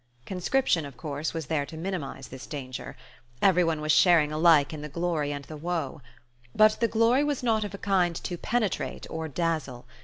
Conscription, of course, was there to minimize this danger. Every one was sharing alike in the glory and the woe. But the glory was not of a kind to penetrate or dazzle.